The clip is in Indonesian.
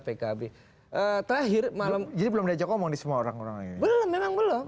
pkb terakhir malam jadi belum di ajak ngomong di semua orang orang ini ya jadi belum di ajak ngomong di semua orang orang ini